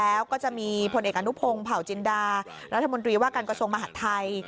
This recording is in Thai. แล้วก็จะมีผลเอกอนุพงศ์เผาจินดารัฐมนตรีว่าการกระทรวงมหาดไทย